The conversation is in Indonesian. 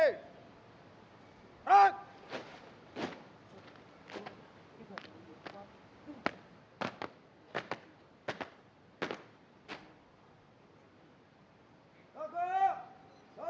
laporan komandan upacara kepada inspektur upacara